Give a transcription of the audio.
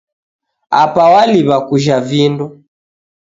Apa waliw'a kujha vindo.